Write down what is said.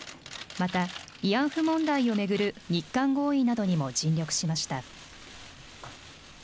また、慰安婦問題を巡る日韓合意などにも尽力しました。